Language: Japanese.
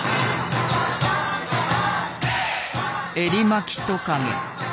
エリマキトカゲ。